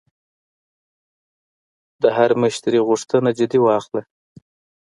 د هر مشتری غوښتنه جدي واخله.